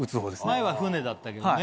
前は船だったけどね。